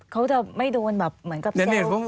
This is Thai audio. เขาจะไม่โดนแบบ